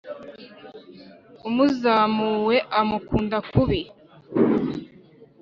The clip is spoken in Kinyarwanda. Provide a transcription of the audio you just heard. umuzamuwe amukunda kubi